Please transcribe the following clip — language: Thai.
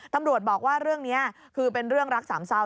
ตำรวจบอกว่าเรื่องนี้คือเป็นเรื่องรักสามเศร้า